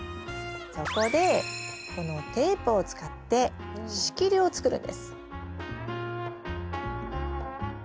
そこでこのテープを使って仕切りを作るんです。